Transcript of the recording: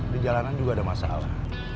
di jalanan juga ada masalah